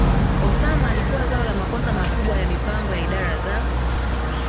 Osama alikuwa zao la makosa makubwa ya mipango ya idara za